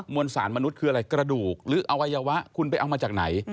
วนสารมนุษย์คืออะไรกระดูกหรืออวัยวะคุณไปเอามาจากไหน